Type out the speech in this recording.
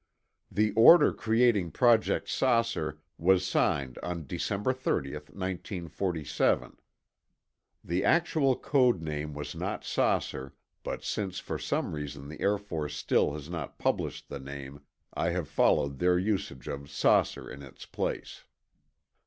The order creating Project "Saucer" was signed on December 30, 1947. (The actual code name was not "Saucer," but since for some reason the Air Force still has not published the name, I have followed their usage of "Saucer" in its place.)